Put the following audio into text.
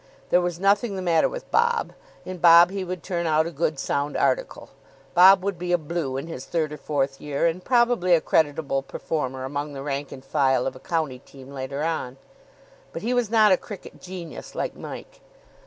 There was nothing the matter with Bob. In Bob he would turn out a good, sound article. Bob would be a Blue in his third or fourth year, and probably a creditable performer among the rank and file of a county team later on. But he was not a cricket genius, like Mike.